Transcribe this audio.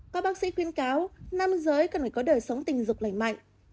các bác sĩ khuyên cáo nam giới cần phải có đời sống tình dục lành mạnh